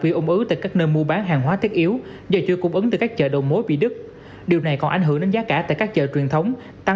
vì ủng ứ tại các nơi mua bán hàng hóa thiết yếu do chưa cung ứng